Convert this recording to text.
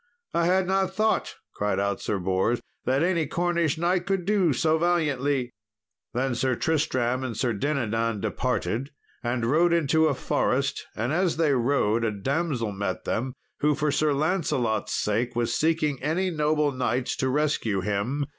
"I had not thought," cried out Sir Bors, "that any Cornish knight could do so valiantly." Then Sir Tristram and Sir Dinadan departed, and rode into a forest, and as they rode a damsel met them, who for Sir Lancelot's sake was seeking any noble knights to rescue him.